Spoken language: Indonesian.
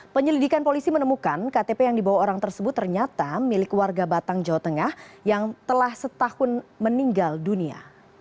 penyelidikan polisi menemukan ktp yang dibawa orang tersebut ternyata milik warga batang jawa tengah yang telah setahun meninggal dunia